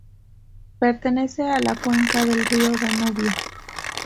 Pertenece a la cuenca del río Danubio.